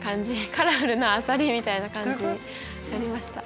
カラフルなあさりみたいな感じになりました。